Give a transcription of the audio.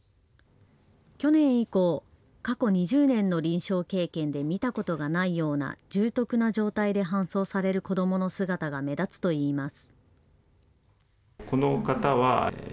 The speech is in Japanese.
去年以降、過去２０年の臨床経験で見たことがないような重篤な状態で搬送される子どもの姿が目立つといいます。